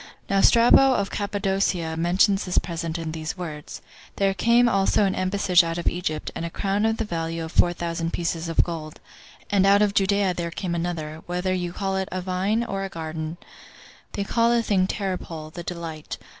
Now Strabo of Cappadocia mentions this present in these words: "There came also an embassage out of Egypt, and a crown of the value of four thousand pieces of gold; and out of Judea there came another, whether you call it a vine or a garden; they call the thing Terpole, the Delight.